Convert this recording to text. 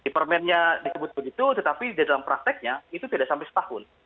permennya disebut begitu tetapi di dalam prakteknya itu tidak sampai setahun